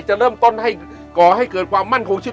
จะเริ่มต้นก่อให้เกิดความมั่นของชิด